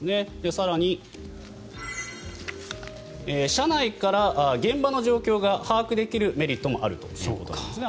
更に、社内から現場の状況が把握できるメリットもあるということなんですね。